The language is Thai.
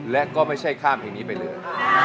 และก็ไม่ใช่ข้ามเพลงนี้ไปเลย